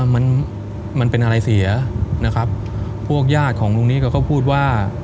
มันมันเป็นอะไรเสียนะครับพวกญาติของลุงนี้เขาก็พูดว่า